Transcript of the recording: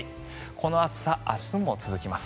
この暑さ、明日も続きます。